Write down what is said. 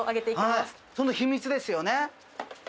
その秘密ですよね。